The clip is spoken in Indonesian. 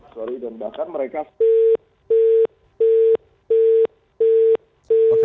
sorry dan bahkan mereka